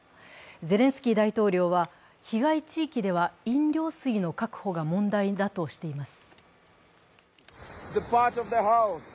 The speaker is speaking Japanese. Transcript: ゼレンスキー大統領は、被害地域では飲料水の確保が問題だとしています。